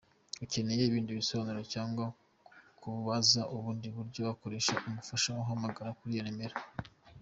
Ukeneye ibindi bisobanuro cyangwa kubaza ubundi buryo wakoresha umufasha, wahamagara kuri iyo numero.